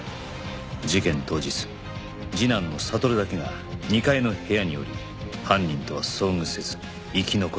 事件当日次男の悟だけが２階の部屋におり犯人とは遭遇せず生き残る